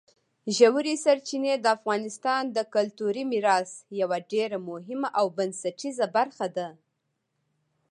ژورې سرچینې د افغانستان د کلتوري میراث یوه ډېره مهمه او بنسټیزه برخه ده.